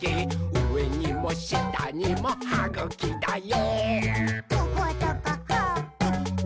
うえにもしたにもはぐきだよ！」